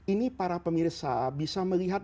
ini para pemirsa bisa melihat